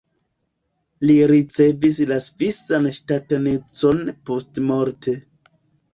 Li ricevis la svisan ŝtatanecon postmorte.